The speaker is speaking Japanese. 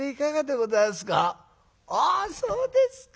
「あそうですか。